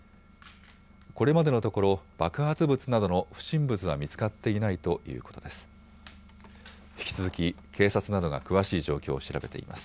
これまでのところ、爆発物などの不審物は見つかっていないということです。